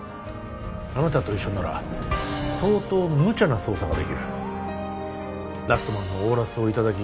あなたと一緒なら相当むちゃな捜査ができるラストマンのオーラスをいただき